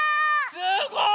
すごい！